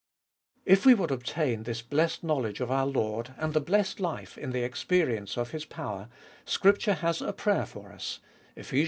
If we would obtain this blessed knowledge of our Lord, and 5 66 C5e Doltest of ail the blessed life in the experience of His power, Scripture has a prayer for us (Eph.